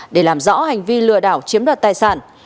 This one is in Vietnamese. để làm rõ hành vi lừa đảo chiếm đoạt tài sản